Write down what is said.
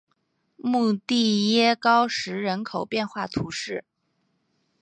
穆蒂耶高石人口变化图示